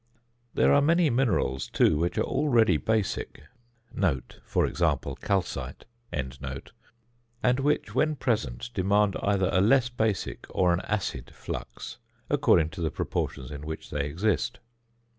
There are many minerals, too, which are already basic (for example, calcite), and which, when present, demand either a less basic or an acid flux according to the proportions in which they exist.